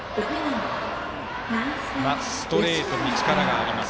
ストレートに力があります。